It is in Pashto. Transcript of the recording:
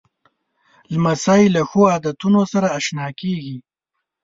لمسی له ښو عادتونو سره اشنا کېږي.